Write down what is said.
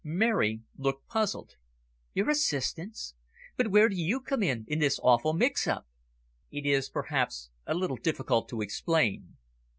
Mary looked puzzled. "Your assistance! But where do you come in, in this awful mix up?" "It is perhaps a little difficult to explain."